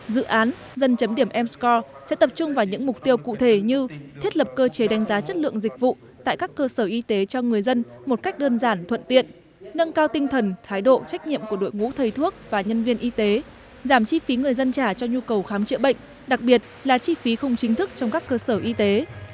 dự án dân chấm điểm m score sẽ tập trung vào những mục tiêu cụ thể như thiết lập cơ chế đánh giá chất lượng dịch vụ tại các cơ sở y tế cho người dân một cách đơn giản thuận tiện nâng cao tinh thần thái độ trách nhiệm của đội ngũ thầy thuốc và nhân viên y tế giảm chi phí người dân trả cho nhu cầu khám chữa bệnh đặc biệt là chi phí không chính thức trong các cơ sở y tế